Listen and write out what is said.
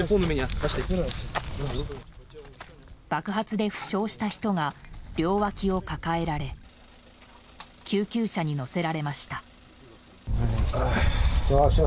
爆発で負傷した人が両脇を抱えられ救急車に乗せられました。